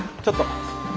ちょっと。